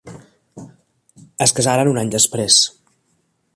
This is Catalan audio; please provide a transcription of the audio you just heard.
Es casaren un any després.